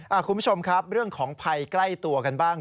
คุณผู้ชมครับเรื่องของภัยใกล้ตัวกันบ้าง